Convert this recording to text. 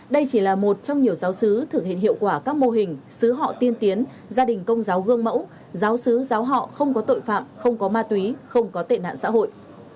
đây chỉ là một trong nhiều giáo sứ thực hiện hiệu quả các mô hình sứ họ tiên tiến gia đình công giáo gương mẫu giáo sứ giáo họ không có tội phạm không có ma túy không có tệ nạn xã hội